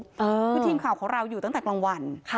คือทีมข่าวของเราอยู่ตั้งแต่กลางวัน